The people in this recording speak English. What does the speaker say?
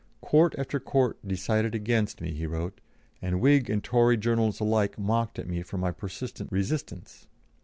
"Court after Court decided against me," he wrote; "and Whig and Tory journals alike mocked at me for my persistent resistance.